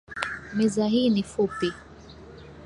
Meza hii ni fupi